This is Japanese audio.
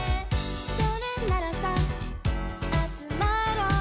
それならさ、集まろうよ！